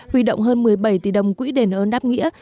huy động hơn một mươi bảy tỷ đồng quỹ đền ơn đáp nghĩa